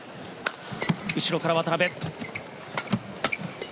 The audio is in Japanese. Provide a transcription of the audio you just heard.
後ろから渡辺。